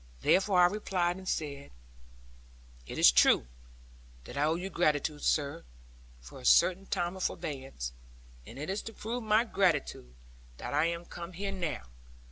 Therefore I replied, and said, 'It is true that I owe you gratitude, sir, for a certain time of forbearance; and it is to prove my gratitude that I am come here now.